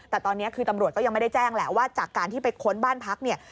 แต่ตอนนี้คือตำรวจก็ยังไม่ได้แจ้งแหละว่าจากการที่ไปค้นบ้านพักเนี่ย